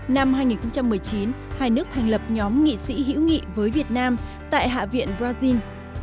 năm hai nghìn một mươi chín hai nước thành lập nhóm nghị sĩ hữu nghị với việt nam tại hạ viện brazil